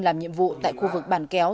làm nhiệm vụ tại khu vực bàn kéo